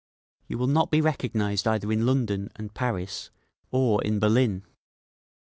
_ You will not be recognised either in London and Paris, or in Berlin….